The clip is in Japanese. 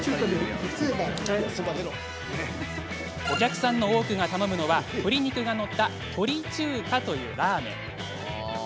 お客さんの多くが頼むのは鶏肉が載った鳥中華というラーメン。